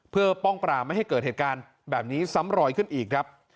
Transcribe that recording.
เพื่อป้องปรามไม่ให้เกิดเหตุการณ์แบบนี้ซ้ำรอยขึ้นอีกครับ